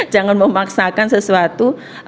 jangan memaksakan sesuatu